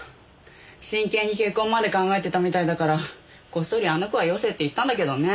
真剣に結婚まで考えてたみたいだからこっそりあの子はよせって言ったんだけどね。